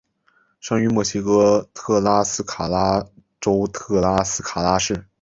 生于墨西哥特拉斯卡拉州特拉斯卡拉市。